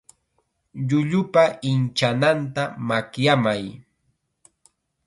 Llullupa inchananta makyamay.